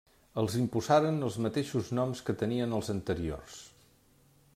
Els imposaren els mateixos noms que tenien els anteriors: